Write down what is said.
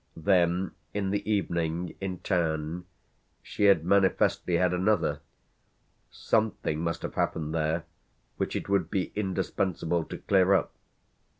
Then in the evening, in town, she had manifestly had another: something must have happened there which it would be indispensable to clear up.